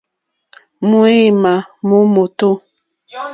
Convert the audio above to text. Ŋwěémá mó mòtò.